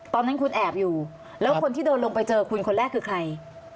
ตอนนั้นคุณแอบอยู่แล้วคนที่เดินลงไปเจอคุณคนแรกคือใคร